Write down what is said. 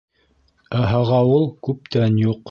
Ә һағауыл... күптән юҡ.